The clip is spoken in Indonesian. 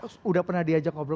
sudah pernah diajak ngobrol